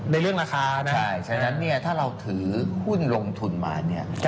ในเรื่องราคานะใช่ฉะนั้นถ้าเราถือหุ้นลงทุนมา